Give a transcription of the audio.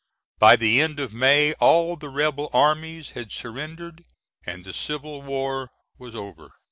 By the end of May all the rebel armies had surrendered and the Civil War was over.